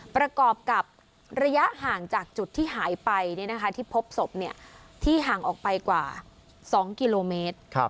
ประกอบกับระยะห่างจากจุดที่หายไปที่พบศพที่ห่างออกไปกว่า๒กิโลเมตร